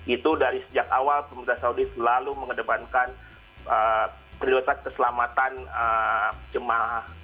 itu dari sejak awal pemerintah saudi selalu mengedepankan prioritas keselamatan jemaah